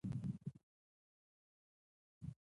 ازادي راډیو د طبیعي پېښې په اړه د روغتیایي اغېزو خبره کړې.